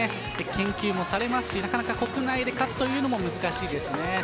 研究もされますしなかなか国内で勝つというのも難しいです。